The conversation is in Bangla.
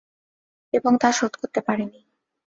এবং তা শোধ করতে পারেনি।